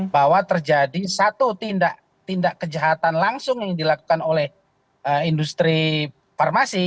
bahwa terjadi satu tindak kejahatan langsung yang dilakukan oleh industri farmasi